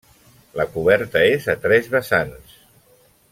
La coberta és a tres vessants.